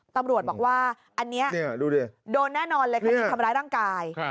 ตำรวจบอกว่าอันนี้โดนแน่นอนเลยคดีทำร้ายร่างกาย